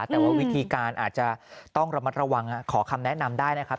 แต่ว่าวิธีการอาจจะต้องระมัดระวังขอคำแนะนำได้นะครับ